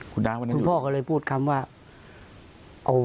คุณพ่อก็เลยพูดคำว่าครับวันนั้นอยู่